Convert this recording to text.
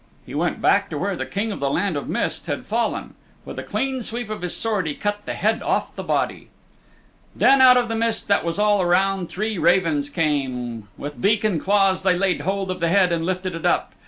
He went back to where the King of the Land of Mist had fallen. With a clean sweep of his sword he cut the head off the body. Then out of the mist that was all around three ravens came. With beak and claws they laid hold of the head and lifted it up.